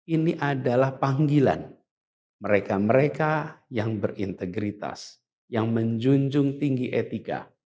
ini adalah panggilan mereka mereka yang berintegritas yang menjunjung tinggi etika